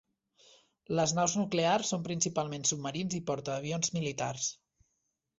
Les naus nuclears són principalment submarins i portaavions militars.